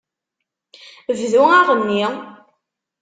Bdu aɣenni.